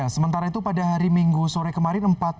sementara itu pada hari minggu sore kemarin